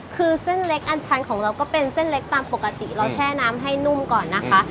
คือเส้นเล็กอันชันของเราก็เป็นเส้นเล็กตามปกติเราแช่น้ำให้นุ่มก่อนนะคะ